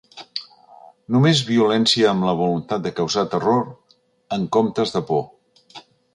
Només violència amb la voluntat de causar terror, en comptes de por.